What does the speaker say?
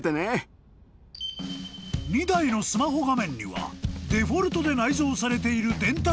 ［２台のスマホ画面にはデフォルトで内蔵されている電卓機能］